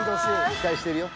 ［期待してるよ］